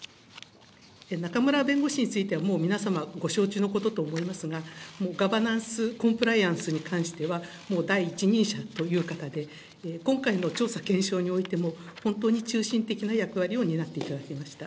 中村弁護士については、もう皆様ご承知のことと思いますが、もうガバナンス、コンプライアンスに関しては、もう第一人者という方で、今回の調査・検証においても、本当に中心的な役割を担っていただきました。